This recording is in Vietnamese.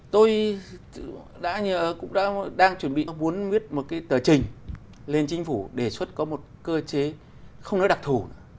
tôi cũng đang chuẩn bị muốn viết một tờ trình lên chính phủ đề xuất có một cơ chế không nói đặc thù